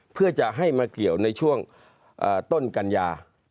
เพื่อจะให้มาเกี่ยวในช่วงต้นกัญญา